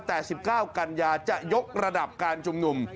แต่๑๙กันยาจะยกระดับการชุมนุม